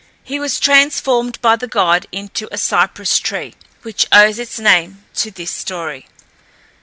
He was transformed by the god into a cypress tree, which owes its name to this story.